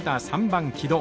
３番木戸。